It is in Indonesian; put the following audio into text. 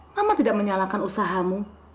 mama tidak menyalahkan usahamu